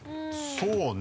そうね。